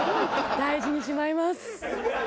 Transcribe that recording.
大事にしまいます。